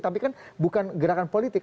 tapi kan bukan gerakan politik